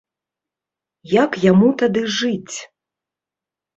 Як яму тады жыць?